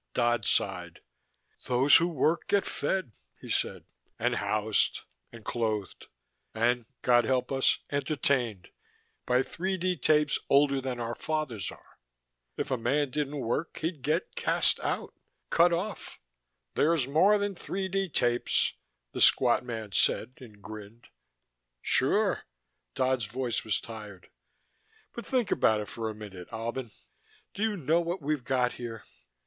Dodd sighed. "Those who work get fed," he said. "And housed. And clothed. And God help us entertained, by 3D tapes older than our fathers are. If a man didn't work he'd get cast out. Cut off." "There's more than 3D tapes," the squat man said, and grinned. "Sure." Dodd's voice was tired. "But think about it for a minute, Albin. Do you know what we've got here?"